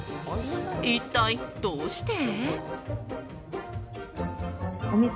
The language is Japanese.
一体、どうして？